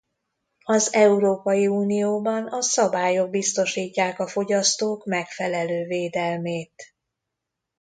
Az Európai Unióban a szabályok biztosítják a fogyasztók megfelelő védelmét.